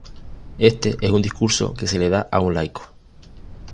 Este es un discurso que se le da a un laico.